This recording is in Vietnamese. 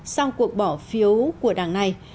sau cuộc bỏ phiếu của đảng này